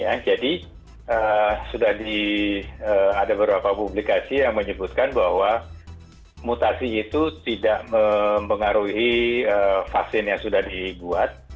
ya jadi sudah ada beberapa publikasi yang menyebutkan bahwa mutasi itu tidak mempengaruhi vaksin yang sudah dibuat